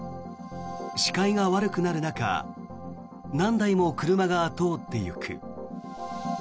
視界が悪くなる中何台も車が通っていく。